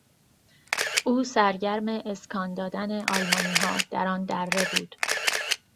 او سرگرم اسکان دادن آلمانیها در آن دره بود.